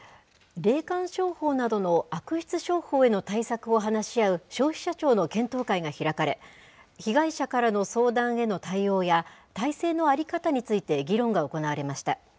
霊感商法などの悪質商法への対策を話し合う消費者庁の検討会が開かれ、被害者からの相談への対応や、体制の在り方について議論が行われました。